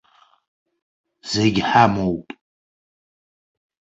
Зегь ҳамоуп.